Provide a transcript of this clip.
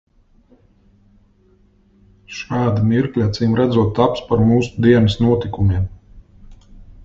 Šādi mirkļi acīmredzot taps par mūsu dienas notikumiem.